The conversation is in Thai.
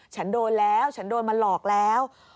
ฉันโดนแล้วฉันโดนมาหลอกแล้ว